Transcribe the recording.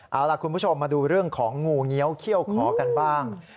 เอาล่ะคุณผู้ชมมาดูเรื่องของงูเงี้ยวเขี้ยวขอกันบ้าง